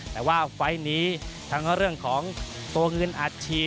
แต่ว่าไฟล์ตัวกินที่นี้ทั้งแล้วของโตเงินอาจฉีด